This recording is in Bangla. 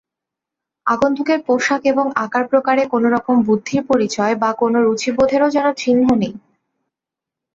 আগন্তুকের পোশাক এবং আকার-প্রকারে কোনোরকম বুদ্ধির পরিচয় বা কোনো রুচিবোধেরও যেন চিহ্ন নেই।